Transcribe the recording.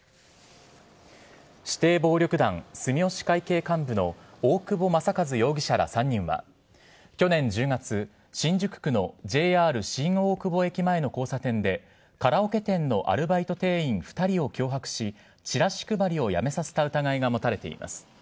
指定暴力団住吉会系幹部の大久保雅一容疑者ら３人は、去年１０月、新宿区のＪＲ新大久保駅前の交差点で、カラオケ店のアルバイト店員２人を脅迫し、チラシ配りをやめさせた疑いが持たれています。